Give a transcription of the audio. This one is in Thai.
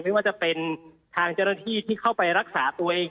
ไม่ว่าจะเป็นทางเจ้าหน้าที่ที่เข้าไปรักษาตัวเอง